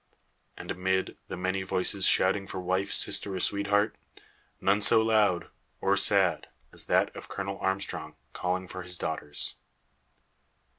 And amid the many voices shouting for wife, sister, or sweetheart, none so loud, or sad, as that of Colonel Armstrong calling for his daughters.